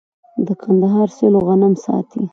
د کندهار سیلو غنم ساتي.